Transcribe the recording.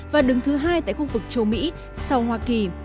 và đứng thứ hai tại khu vực châu mỹ sau hoa kỳ